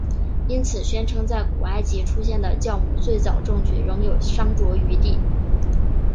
因此宣称在古埃及出现的酵母最早证据仍有商酌余地。